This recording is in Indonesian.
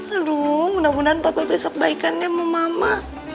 aduh mudah mudahan papa besok baikannya sama mama